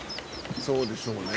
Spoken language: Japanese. そうでしょうね。